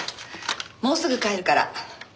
もうすぐ帰るから。